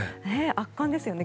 圧巻ですよね。